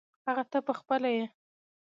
هغه ته پخپله یې .